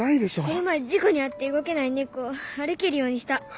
この前事故に遭って動けない猫を歩けるようにした。